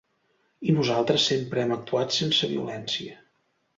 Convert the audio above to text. I nosaltres sempre hem actuat sense violència.